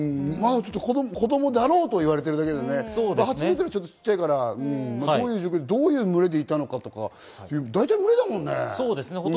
子供だろうと言われてるだけなのでどういう状況で、どういう群れでいたのかとか、大体、群れだもんね。